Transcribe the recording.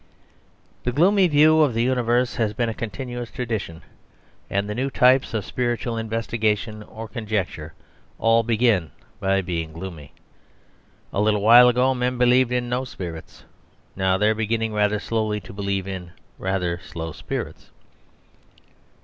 The gloomy view of the universe has been a continuous tradition; and the new types of spiritual investigation or conjecture all begin by being gloomy. A little while ago men believed in no spirits. Now they are beginning rather slowly to believe in rather slow spirits.